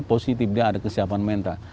positif dia ada kesiapan mental